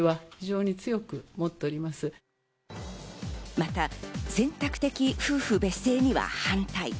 また選択的夫婦別姓には反対。